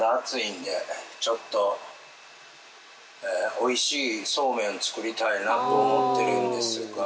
おいしいそうめんを作りたいなと思ってるんですが。